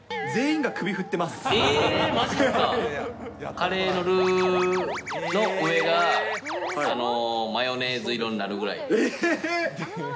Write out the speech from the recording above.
カレーのルーの上が、マヨネーズ色になるぐらい。